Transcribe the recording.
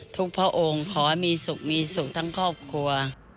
พระองค์ขอให้มีสุขมีสุขทั้งครอบครัว